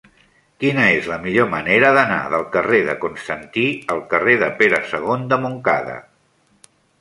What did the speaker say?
Quina és la millor manera d'anar del carrer de Constantí al carrer de Pere II de Montcada?